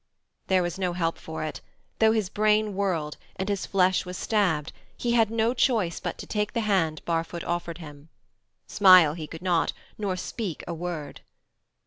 There was no help for it. Though his brain whirled, and his flesh was stabbed, he had no choice but to take the hand Barfoot offered him. Smile he could not, nor speak a word.